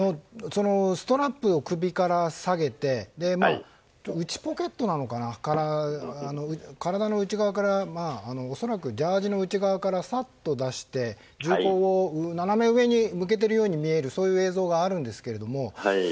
ストラップを首から下げて内ポケットから恐らくジャージーの内側からさっと出して銃口を斜め上に向けているように見える映像があるんですけれども。